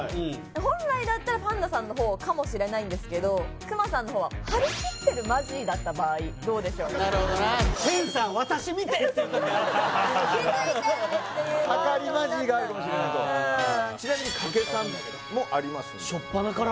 本来だったらパンダさんの方かもしれないんですけどクマさんの方は張り切ってるマジーだった場合どうでしょうなるほどなっていうときあるな気づいてーっていう盛りマジーがあるかもしれないとちなみに掛け３もありますんで初っぱなから？